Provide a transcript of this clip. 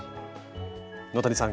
野谷さん